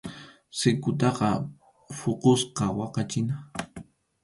Sikutaqa phukuspa waqachina.